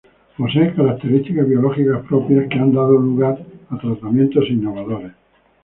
Posee características biológicas propias, que han dado lugar a tratamientos innovadores.